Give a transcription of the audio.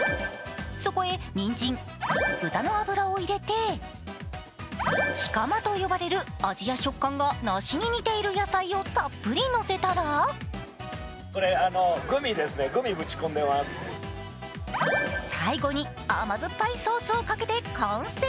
そこへ、にんじん、豚の脂を入れてヒカマと呼ばれる味や食感が梨に似ている野菜をたっぷりのせたら最後に甘酸っぱいソースをかけて完成。